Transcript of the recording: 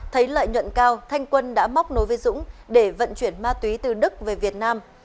thấy lợi nhuận cao thanh quân đã móc nối với dũng để vận chuyển ma túy từ đức về việt nam